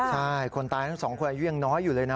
ใช่คนตายทั้งสองคนอายุยังน้อยอยู่เลยนะ